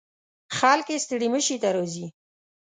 خلک یې ستړي مشي ته راځي.